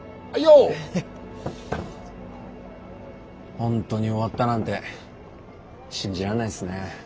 本当に終わったなんて信じらんないですね。